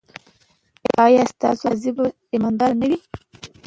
ایا ستاسو قاضي به ایماندار نه وي؟